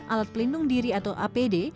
alat pelindung diri atau apd